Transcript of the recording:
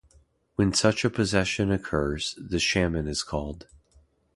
When such a possession occurs, the shaman is called.